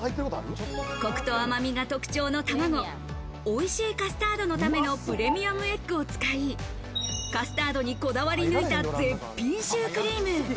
コクと甘みが特徴の卵、「おいしいカスタードのためのプレミアムエッグ」を使い、カスタードにこだわり抜いた絶品シュークリーム。